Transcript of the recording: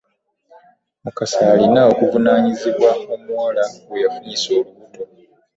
Mukasa alina okuvunaanyizibwa omuwala gweyafunyisa olubuto .